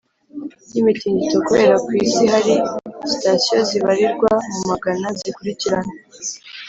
y’imitingito kubera ko ku isi hari sitasiyo zibarirwa mu magana zikurikirana.